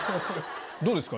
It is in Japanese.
どうですか？